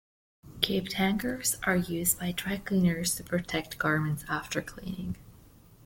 Caped hangers are used by dry cleaners to protect garments after cleaning.